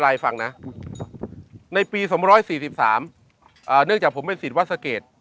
ไลฟ์ฟังนะในปีสำหรับร้อยสี่สิบสามอ่าเนื่องจากผมเป็นสิทธิ์วัดสเกต